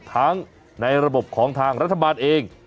ในระบบของทางรัฐบาลเอง